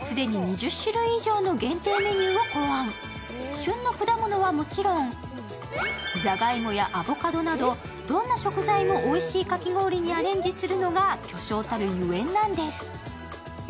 旬の果物はもちろん、じゃがいもやアボカドなどどんな食材もおいしいかき氷にアレンジするのが巨匠たるゆえんなんです。